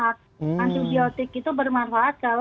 antibiotik itu bermanfaat kalau